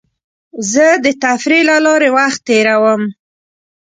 زه د تفریح له لارې وخت تېرووم.